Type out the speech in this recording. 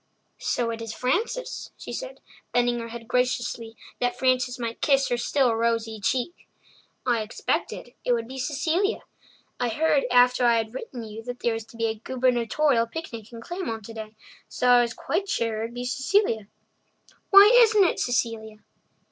"So it is Frances," she said, bending her head graciously that Frances might kiss her still rosy cheek. "I expected it would be Cecilia. I heard after I had written you that there was to be a gubernatorial picnic in Claymont today, so I was quite sure it would be Cecilia. Why isn't it Cecilia?"